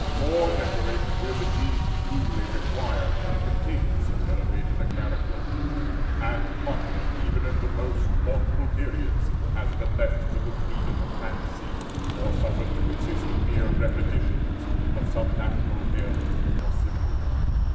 More decoration will, indeed, be usually required than can take so elevated a character; and much, even in the most thoughtful periods, has been left to the freedom of fancy, or suffered to consist of mere repetitions of some national bearing or symbol.